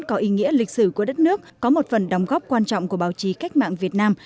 có ý nghĩa lịch sử của đất nước có một phần đóng góp quan trọng của báo chí cách mạng việt nam